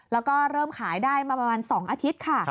แล้วก็เริ่มขายได้มาประมาณ๒อาทิตย์ค่ะ